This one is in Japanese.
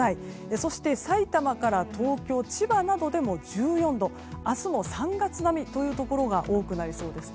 そしてさいたまから東京千葉などでも１４度と明日も３月並みのところが多くなりそうですね。